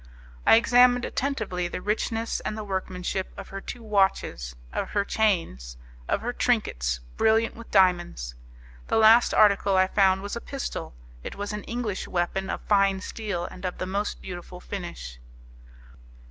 I examined attentively the richness and the workmanship of her two watches, of her chains, of her trinkets, brilliant with diamonds. The last article I found was a pistol; it was an English weapon of fine steel, and of the most beautiful finish.